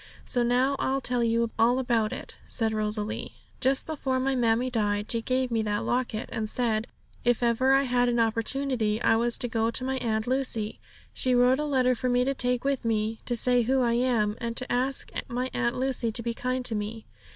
So now I'll tell you all about it,' said Rosalie. 'Just before my mammie died, she gave me that locket, and she said, if ever I had an opportunity, I was to go to my Aunt Lucy. She wrote a letter for me to take with me, to say who I am, and to ask my Aunt Lucy to be kind to me.